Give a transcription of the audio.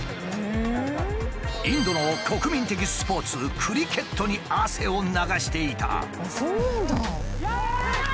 インドの国民的スポーツクリケットに汗を流していた。